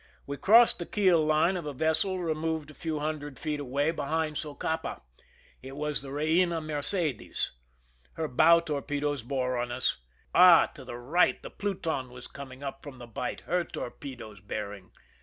We crossed the keel line of a vessel removed a few hundred feet away, behind Socapa ; it was the Beina Mercedes. Her bow torpedoes bore on us. Ah ! to the right the Pluton was coming up from the bight, her torpedoes bearing.